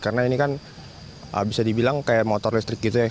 karena ini kan bisa dibilang kayak motor listrik gitu ya